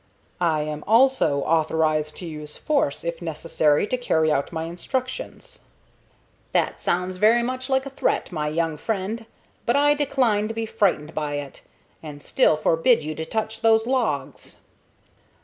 "I am also authorized to use force, if necessary, to carry out my instructions." "That sounds very much like a threat, my young friend; but I decline to be frightened by it, and still forbid you to touch those logs."